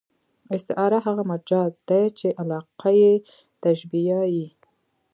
استعاره هغه مجاز دئ، چي علاقه ئې تشبېه يي.